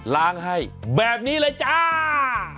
ล้างให้แบบนี้เลยจ้า